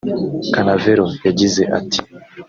Canavero yagize ati